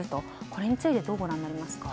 これについてどうご覧になりますか。